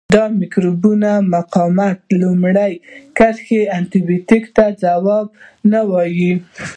د مکروبونو مقاومت د لومړۍ کرښې انټي بیوټیکو ته ځواب نه وایي.